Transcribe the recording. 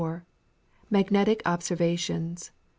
MAGNETIC OBSERVATIONS.